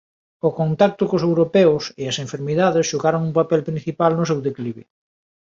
O contacto cos europeos e as enfermidades xogaron un papel principal no seu declive.